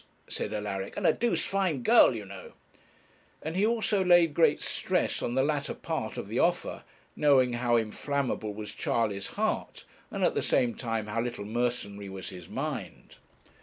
said Alaric, 'and a doosed fine girl, you know;' and he also laid great stress on the latter part of the offer, knowing how inflammable was Charley's heart, and at the same time how little mercenary was his mind.